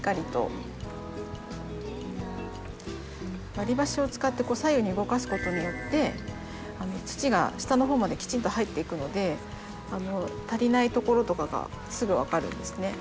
割り箸を使って左右に動かすことによって土が下の方まできちんと入っていくので足りないところとかがすぐ分かるんですね。